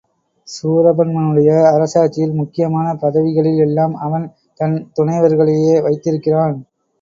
சூரபன்மனுடைய அரசாட்சியில் முக்கியமான பதவிகளில் எல்லாம் அவன் தன் துணைவர்களையே வைத்திருக்கிறான்.